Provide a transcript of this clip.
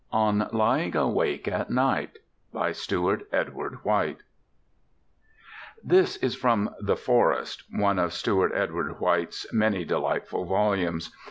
ON LYING AWAKE AT NIGHT By STEWART EDWARD WHITE This is from The Forest one of Stewart Edward White's many delightful volumes.